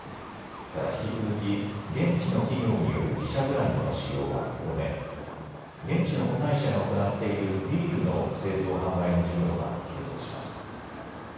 ただ引き続き現地の企業による自社ブランドの使用は認め現地の子会社が行っているビールの製造・販売の事業は継続します。